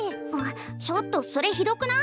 ちょっとそれひどくない？